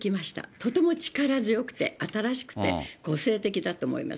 とても力強くて、新しくて、個性的だと思います。